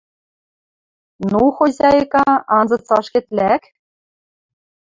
Ну, хозяйка, анзыц ашкед лӓк...» —